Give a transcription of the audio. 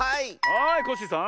はいコッシーさん。